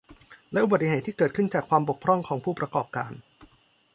และอุบัติเหตุที่เกิดจากความบกพร่องของผู้ประกอบการ